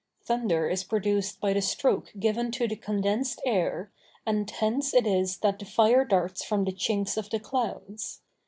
Thunder is produced by the stroke given to the condensed air, and hence it is that the fire darts from the chinks of the clouds.